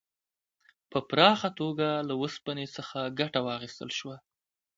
په پراخه توګه له اوسپنې څخه ګټه واخیستل شوه.